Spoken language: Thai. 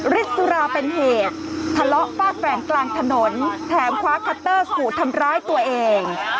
ฤทธิสุราเป็นเหตุทะเลาะฟาดแฝงกลางถนนแถมคว้าคัตเตอร์ขู่ทำร้ายตัวเอง